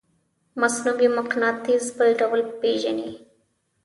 مصنوعي مقناطیس بل ډول پیژنئ؟